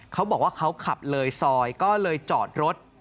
เขาบอกว่าเขาขับเลยซอยก็เลยจอดรถ